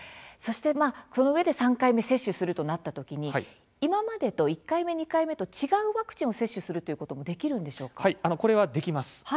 そのうえで３回目接種するとなったときに１回目、２回目と違うワクチンを接種するということはこれはできます。